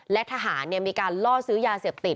และทหารมีการล่อซื้อยาเสพติด